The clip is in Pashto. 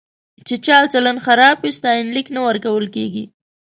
چې چلچلن خراب وي، ستاینلیک نه ورکول کېږي.